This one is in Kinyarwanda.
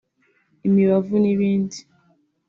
imibavu n’ibindi